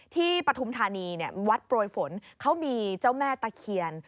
ปฐุมธานีวัดโปรยฝนเขามีเจ้าแม่ตะเคียน